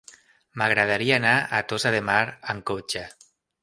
M'agradaria anar a Tossa de Mar amb cotxe.